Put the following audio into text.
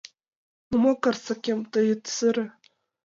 Ну мо, карсакем, тый ит сыре